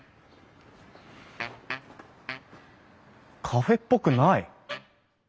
カフェっぽくない！